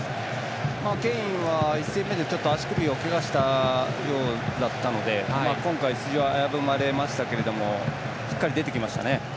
ケインは１戦目で足首をけがしたようだったので今回、出場は危ぶまれましたがしっかり出てきましたね。